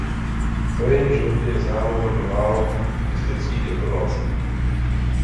O jejím životě je známo velmi málo historických informací.